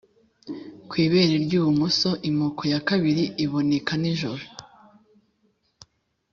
kwibere ry’ibumoso imoko ya kabiri iboneka nijoro